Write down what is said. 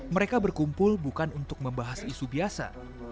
mereka berkumpul bukan untuk membahas isu biasa